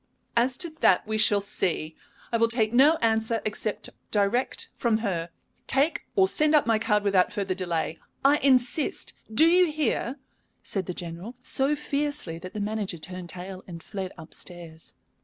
"As to that, we shall see. I will take no answer except direct from her. Take or send up my card without further delay. I insist! Do you hear?" said the General, so fiercely that the manager turned tail and fled up stairs.